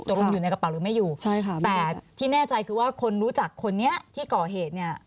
อยู่ในกระเป๋าหรือไม่อยู่ใช่ค่ะแต่ที่แน่ใจคือว่าคนรู้จักคนนี้ที่ก่อเหตุเนี่ย